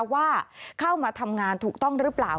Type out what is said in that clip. ว่าเข้ามาทำงานถูกต้องหรือเปล่า